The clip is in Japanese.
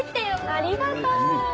ありがとう！